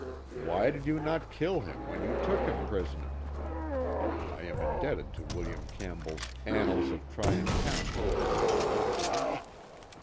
Why did you not kill him when you took him prtsooer ?" (I am in debted to William Campbetl's Annals of Tryan CeniUj/ for the above incident).